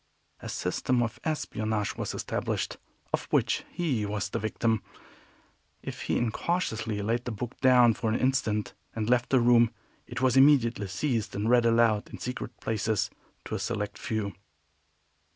A system of espionage was established, of which he was the victim. If he incautiously laid the book down for an instant and left the room, it was immediately seized and read aloud in secret places to a select few.